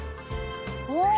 お！